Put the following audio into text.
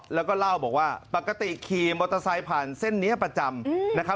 แล้วก็เล่าบอกว่าปกติขี่มอเตอร์ไซค์ผ่านเส้นนี้ประจำนะครับ